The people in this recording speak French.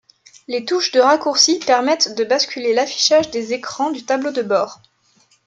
Les touches de raccourcis permettent de basculer l'affichage des écrans du tableau de bord.